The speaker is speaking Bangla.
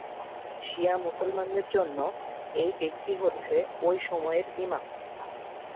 শিয়া মুসলমানদের জন্য, এই ব্যক্তি হচ্ছে ঐ সময়ের ইমাম।